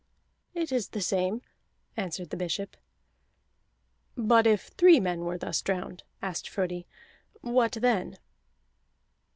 "It is the same," answered the bishop. "But if three men were thus drowned," asked Frodi, "what then?"